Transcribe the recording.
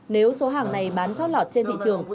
nếu số hàng này bán chót lọt trên thị trường